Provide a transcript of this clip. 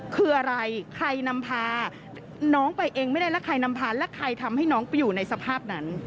คืออะไรใครนำพาน้องไปเองไม่ได้และใครนำพาและใครทำให้น้องไปอยู่ในสภาพนั้น